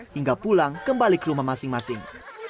hingga pulang kembali ke rumah masing masing